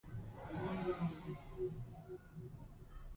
وچکالي دوام لري.